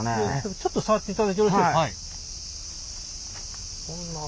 ちょっと触っていただいてよろしいですか？